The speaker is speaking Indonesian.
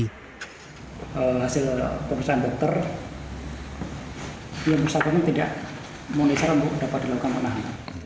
hasil pemeriksaan dokter dua puluh satu ini tidak menyesal untuk dapat dilakukan penahanan